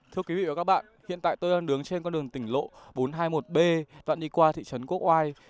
thưa quý vị và các bạn hiện tại tôi đang đứng trên con đường tỉnh lộ bốn trăm hai mươi một b đoạn đi qua thị trấn quốc oai